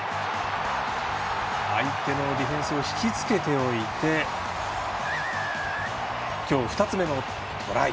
相手のディフェンスを引きつけておいて今日２つ目のトライ。